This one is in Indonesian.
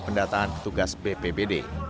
pendataan tugas bpbd